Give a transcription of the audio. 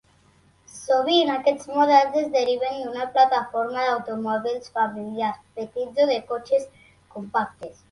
Sovint, aquests models es deriven d'una plataforma d'automòbils familiars petits o de cotxes compactes.